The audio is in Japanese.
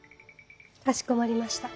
かしこまりました。